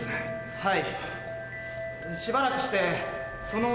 はい。